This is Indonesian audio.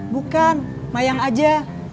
bukan mayang aja